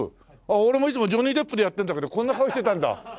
俺もいつもジョニー・デップでやってるんだけどこんな顔してたんだ。